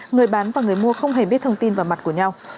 người bán và người mua không hề biết thông tin vào mặt của nhau